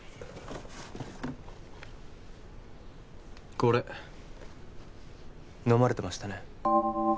これ飲まれてましたね？